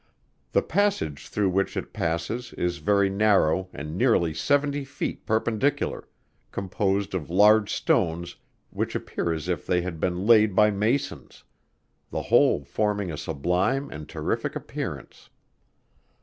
The passage through which it passes is very narrow and nearly seventy feet perpendicular, composed of large stones, which appear as if they had been laid by Masons; the whole forming a sublime and terrific appearance.